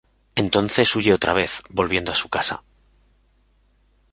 Entonces huye otra vez, volviendo a su casa.